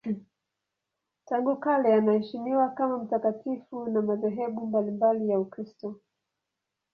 Tangu kale anaheshimiwa kama mtakatifu na madhehebu mbalimbali ya Ukristo.